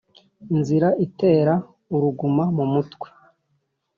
inzira itera uruguma. mumutwe